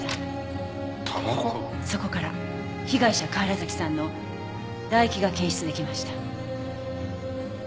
そこから被害者河原崎さんの唾液が検出できました。